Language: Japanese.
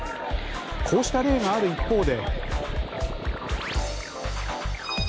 こうした例がある一方で。